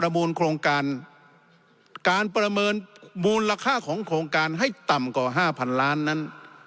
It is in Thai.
มูลค่าของโครงการให้ต่ำกว่า๕พันล้านนั้น